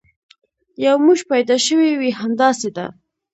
یو موش پیدا شوی وي، همداسې ده.